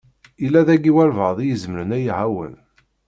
Yella daki walebɛaḍ i izemren ad yi-iɛawen?